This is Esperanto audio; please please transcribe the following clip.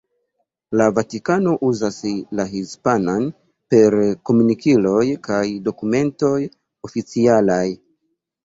La Vatikano uzas la hispanan per komunikiloj kaj dokumentoj oficialaj.